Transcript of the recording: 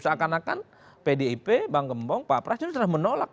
seakan akan pdip bang gembong pak presiden sudah menolak